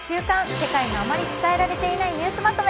世界のあまり伝えられていないニュースまとめ」。